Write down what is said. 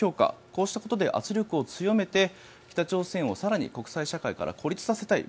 こうしたことで圧力を強めて北朝鮮を更に国際社会から孤立させたい。